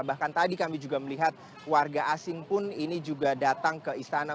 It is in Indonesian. bahkan tadi kami juga melihat warga asing pun ini juga datang ke istana